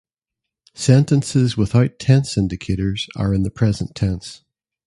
Sentences without tense indicators are in the present tense.